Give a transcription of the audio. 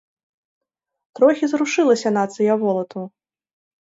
Трохі зрушылася, нацыя волатаў!